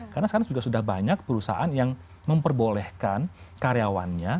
karena sekarang sudah banyak perusahaan yang memperbolehkan karyawannya